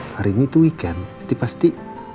hari ini itu weekend jadi pasti